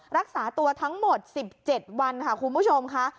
รักษาตัวทั้งหมด๑๗วันค่ะคุณผู้ชมค่ะ